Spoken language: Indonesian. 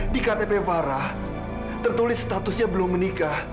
di ktp farah tertulis statusnya belum menikah